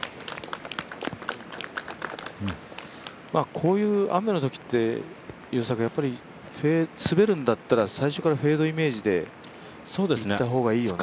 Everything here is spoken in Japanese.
こういう雨の時って、滑るんだったら最初からフェードイメージでいった方がいいよね。